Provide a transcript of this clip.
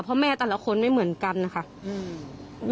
เพราะแม่แต่ละคนไม่เหมือนกันนะคะ